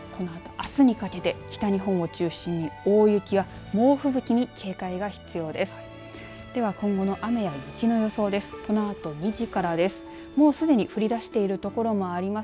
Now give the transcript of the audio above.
きょうからこのあとあすにかけて北日本を中心に大雪や猛吹雪に警戒が必要です。